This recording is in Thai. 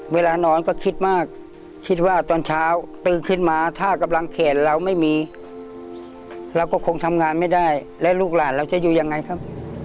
เวลานอนก็คิดมากคิดว่าตอนเช้าตื่นขึ้นมาถ้ากำลังแขนเราไม่มีเราก็คงทำงานไม่ได้และลูกหลานเราจะอยู่ยังไงครับ